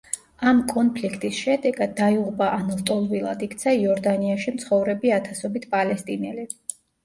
ამ კონფლიქტის შედეგად დაიღუპა ან ლტოლვილად იქცა იორდანიაში მცხოვრები ათასობით პალესტინელი.